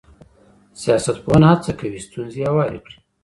سياست پوهنه هڅه کوي ستونزې هوارې کړي.